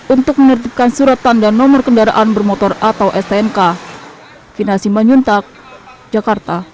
untuk menertibkan surat tanda nomor kendaraan bermotor atau stnk